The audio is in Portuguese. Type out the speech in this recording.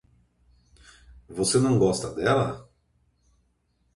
Você não gosta dela?